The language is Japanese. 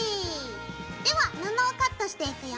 では布をカットしていくよ。